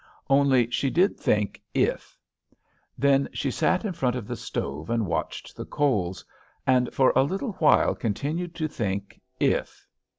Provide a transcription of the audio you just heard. Only she did think "if." Then she sat in front of the stove and watched the coals, and for a little while continued to think "if."